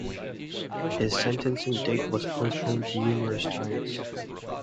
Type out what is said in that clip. His sentencing date was postponed numerous times.